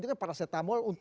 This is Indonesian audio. itu kan parasetamol